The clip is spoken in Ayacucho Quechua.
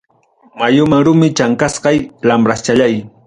Mayuman rumi chamqasqay lambraschallay.